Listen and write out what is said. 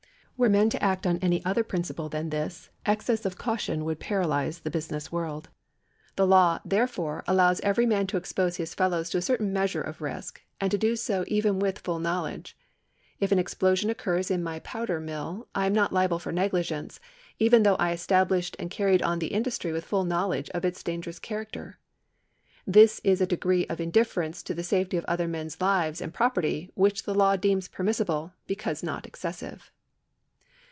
Were men to act on any other principle than this, excess of caution would paralyse the business of the world. The law, therefore, allows every man to expose his fellows to a certain measure of risk, and to do so even with full knowledge. If an explosion occurs in my powder mill, I am not liable for negligence, even though I established and carried on the industry with full knowledge of its dangerous character. This is a degree of indifference to the safety of other men's lives and property which the law deems permissible because not excessive.